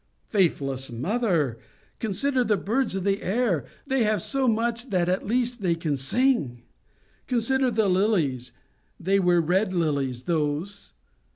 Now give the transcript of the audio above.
"Faithless mother! Consider the birds of the air. They have so much that at least they can sing! Consider the lilies—they were red lilies, those.